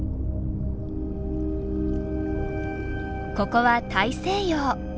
ここは大西洋。